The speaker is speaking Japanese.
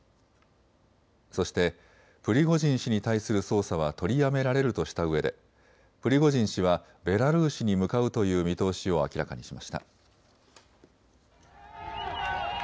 そしてプリゴジン氏に対する捜査は取りやめられるとしたうえでプリゴジン氏はベラルーシに向かうという見通しを明らかにしました。